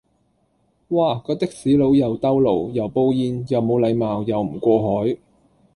哇，個的士佬又兜路，又煲煙，又冇禮貌，又唔過海